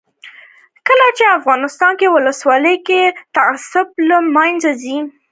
کله چې افغانستان کې ولسواکي وي تعصب له منځه ځي.